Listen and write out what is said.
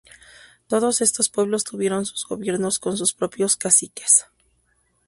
Todos estos pueblos tuvieron sus gobiernos con sus propios caciques.